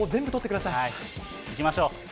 行きましょう。